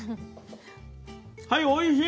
はいおいしい！